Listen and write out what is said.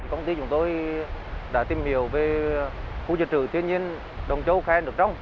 công ty chúng tôi đã tìm hiểu về khu diệt trữ thiên nhiên động châu khai thác được trong